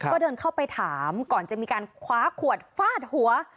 ก็เดินเข้าไปถามก่อนจะมีการคว้าขวดฟาดหัว